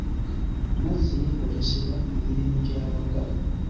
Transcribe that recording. Amazzi gakozesebwa mu mirimu gy'awaka.